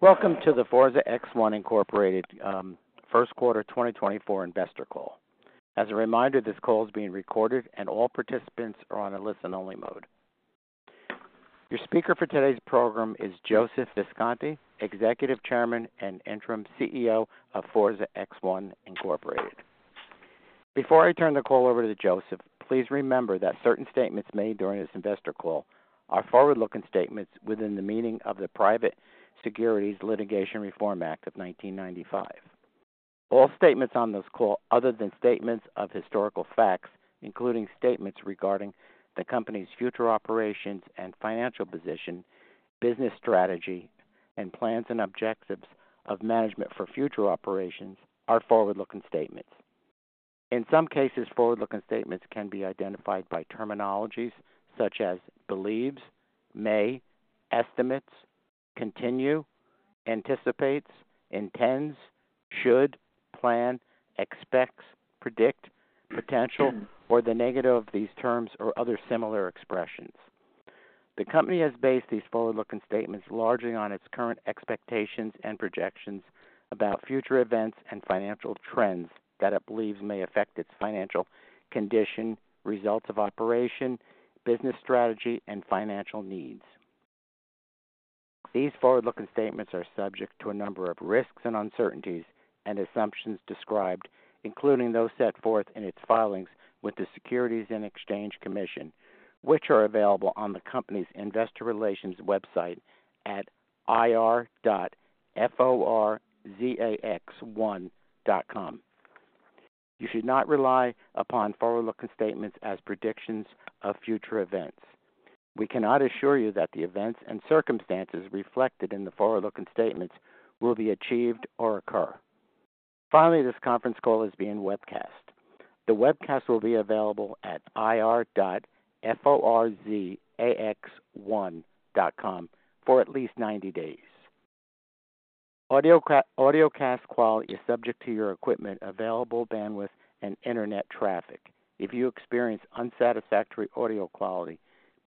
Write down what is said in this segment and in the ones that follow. Welcome to the Forza X1 Incorporated first quarter 2024 investor call. As a reminder, this call is being recorded and all participants are on a listen-only mode. Your speaker for today's program is Joseph Visconti, Executive Chairman and Interim CEO of Forza X1 Incorporated. Before I turn the call over to Joseph, please remember that certain statements made during this investor call are forward-looking statements within the meaning of the Private Securities Litigation Reform Act of 1995. All statements on this call, other than statements of historical facts, including statements regarding the company's future operations and financial position, business strategy, and plans and objectives of management for future operations, are forward-looking statements. In some cases, forward-looking statements can be identified by terminologies such as believes, may, estimates, continue, anticipates, intends, should, plan, expects, predict, potential, or the negative of these terms or other similar expressions. The company has based these forward-looking statements largely on its current expectations and projections about future events and financial trends that it believes may affect its financial condition, results of operation, business strategy, and financial needs. These forward-looking statements are subject to a number of risks and uncertainties and assumptions described, including those set forth in its filings with the Securities and Exchange Commission, which are available on the company's investor relations website at ir.forzax1.com. You should not rely upon forward-looking statements as predictions of future events. We cannot assure you that the events and circumstances reflected in the forward-looking statements will be achieved or occur. Finally, this conference call is being webcast. The webcast will be available at ir.forzax1.com for at least 90 days. Audio cast quality is subject to your equipment, available bandwidth, and internet traffic. If you experience unsatisfactory audio quality,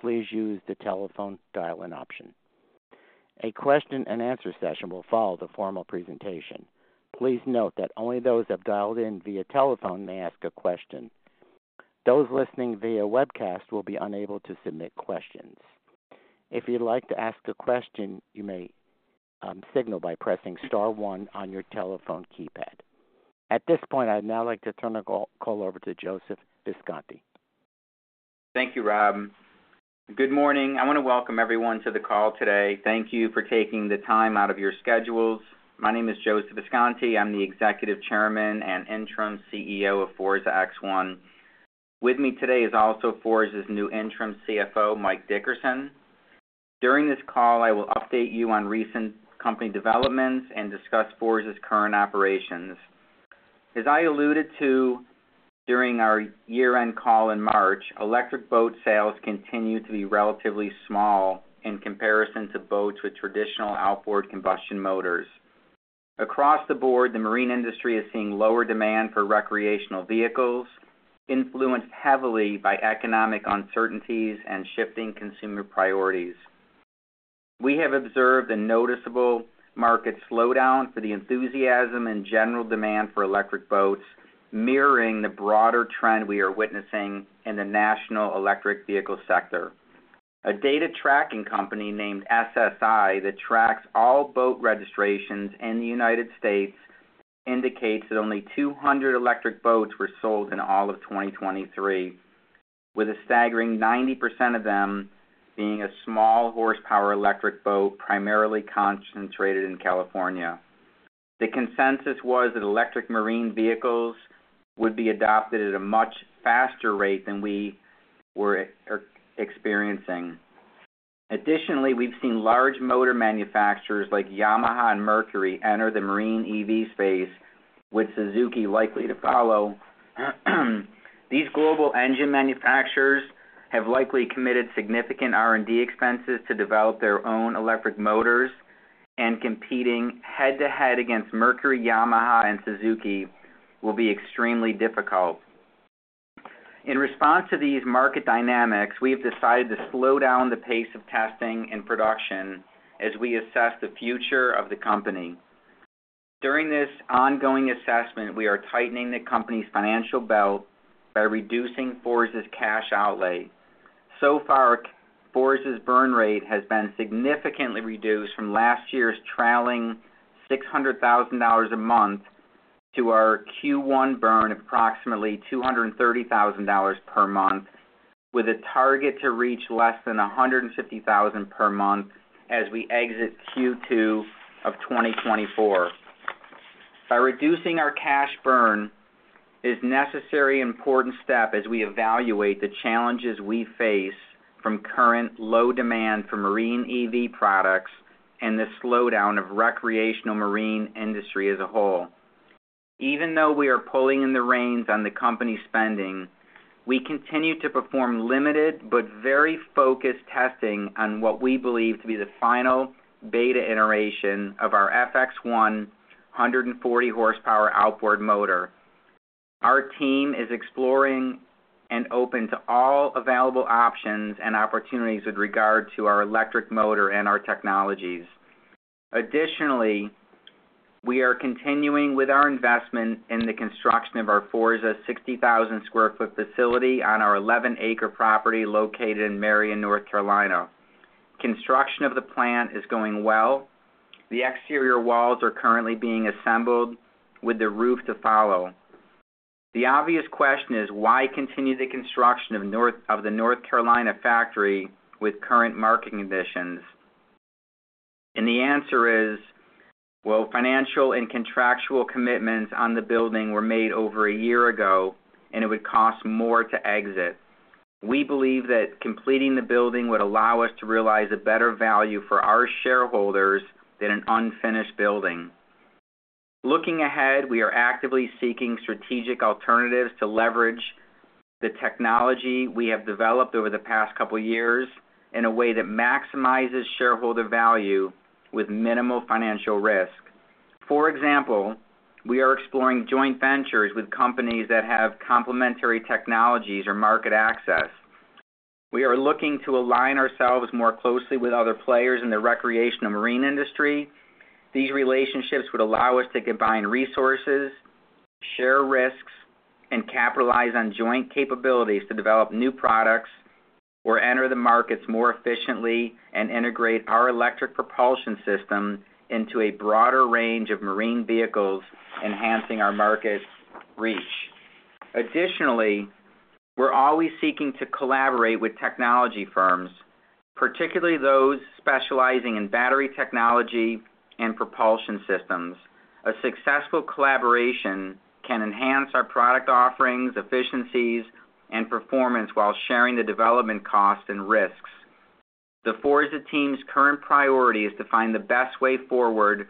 please use the telephone dial-in option. A question and answer session will follow the formal presentation. Please note that only those who have dialed in via telephone may ask a question. Those listening via webcast will be unable to submit questions. If you'd like to ask a question, you may signal by pressing star one on your telephone keypad. At this point, I'd now like to turn the call over to Joseph Visconti. Thank you, Rob. Good morning. I want to welcome everyone to the call today. Thank you for taking the time out of your schedules. My name is Joseph Visconti. I'm the Executive Chairman and Interim CEO of Forza X1. With me today is also Forza's new Interim CFO, Mike Dickerson. During this call, I will update you on recent company developments and discuss Forza's current operations. As I alluded to during our year-end call in March, electric boat sales continue to be relatively small in comparison to boats with traditional outboard combustion motors. Across the board, the marine industry is seeing lower demand for recreational vehicles, influenced heavily by economic uncertainties and shifting consumer priorities. We have observed a noticeable market slowdown for the enthusiasm and general demand for electric boats, mirroring the broader trend we are witnessing in the national electric vehicle sector. A data tracking company named SSI, that tracks all boat registrations in the United States, indicates that only 200 electric boats were sold in all of 2023, with a staggering 90% of them being a small horsepower electric boat, primarily concentrated in California. The consensus was that electric marine vehicles would be adopted at a much faster rate than we were experiencing. Additionally, we've seen large motor manufacturers like Yamaha and Mercury enter the marine EV space, with Suzuki likely to follow. These global engine manufacturers have likely committed significant R&D expenses to develop their own electric motors, and competing head-to-head against Mercury, Yamaha and Suzuki will be extremely difficult. In response to these market dynamics, we have decided to slow down the pace of testing and production as we assess the future of the company. During this ongoing assessment, we are tightening the company's financial belt by reducing Forza's cash outlay. So far, Forza's burn rate has been significantly reduced from last year's trailing $600,000 a month to our Q1 burn of approximately $230,000 per month, with a target to reach less than $150,000 per month as we exit Q2 of 2024. By reducing our cash burn is necessary important step as we evaluate the challenges we face from current low demand for marine EV products and the slowdown of recreational marine industry as a whole. Even though we are pulling in the reins on the company's spending, we continue to perform limited but very focused testing on what we believe to be the final beta iteration of our FX150 horsepower outboard motor. Our team is exploring and open to all available options and opportunities with regard to our electric motor and our technologies. Additionally, we are continuing with our investment in the construction of our Forza 60,000 sq ft facility on our 11-acre property located in Marion, North Carolina. Construction of the plant is going well. The exterior walls are currently being assembled, with the roof to follow. The obvious question is: Why continue the construction of the North Carolina factory with current market conditions? And the answer is, well, financial and contractual commitments on the building were made over a year ago, and it would cost more to exit. We believe that completing the building would allow us to realize a better value for our shareholders than an unfinished building. Looking ahead, we are actively seeking strategic alternatives to leverage the technology we have developed over the past couple of years in a way that maximizes shareholder value with minimal financial risk. For example, we are exploring joint ventures with companies that have complementary technologies or market access. We are looking to align ourselves more closely with other players in the recreational marine industry. These relationships would allow us to combine resources, share risks, and capitalize on joint capabilities to develop new products or enter the markets more efficiently and integrate our electric propulsion system into a broader range of marine vehicles, enhancing our market reach. Additionally, we're always seeking to collaborate with technology firms, particularly those specializing in battery technology and propulsion systems. A successful collaboration can enhance our product offerings, efficiencies, and performance while sharing the development costs and risks. The Forza team's current priority is to find the best way forward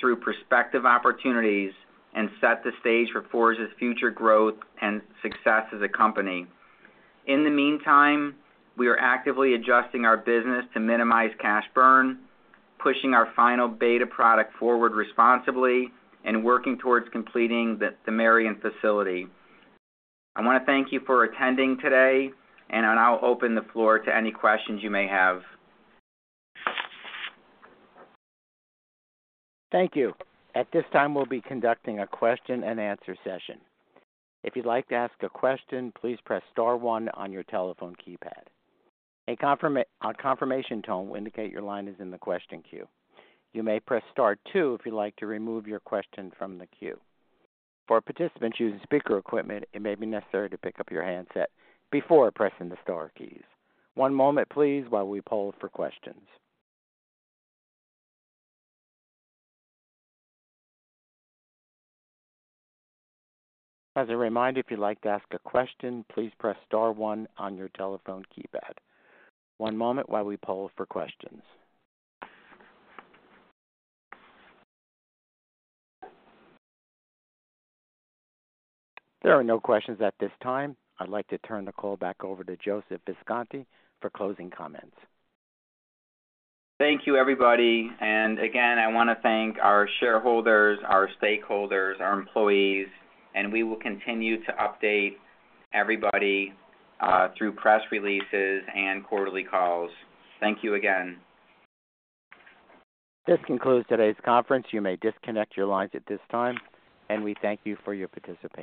through prospective opportunities and set the stage for Forza's future growth and success as a company. In the meantime, we are actively adjusting our business to minimize cash burn, pushing our final beta product forward responsibly, and working towards completing the Marion facility. I wanna thank you for attending today, and then I'll open the floor to any questions you may have. Thank you. At this time, we'll be conducting a question-and-answer session. If you'd like to ask a question, please press star one on your telephone keypad. A confirmation tone will indicate your line is in the question queue. You may press star two if you'd like to remove your question from the queue. For participants using speaker equipment, it may be necessary to pick up your handset before pressing the star keys. One moment, please, while we poll for questions. As a reminder, if you'd like to ask a question, please press star one on your telephone keypad. One moment while we poll for questions. There are no questions at this time. I'd like to turn the call back over to Joseph Visconti for closing comments. Thank you, everybody. Again, I wanna thank our shareholders, our stakeholders, our employees, and we will continue to update everybody through press releases and quarterly calls. Thank you again. This concludes today's conference. You may disconnect your lines at this time, and we thank you for your participation.